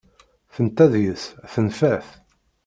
Tenta deg-s tenfa-t.